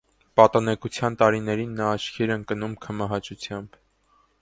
Պատանեկության տարիներին նա աչքի էր ընկնում քմահաճությամբ։